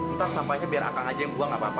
ntar sampahnya biar akan aja yang buang gak apa apa